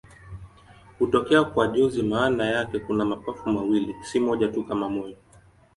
Hutokea kwa jozi maana yake kuna mapafu mawili, si moja tu kama moyo.